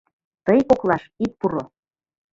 Тый коклаш ит пуро.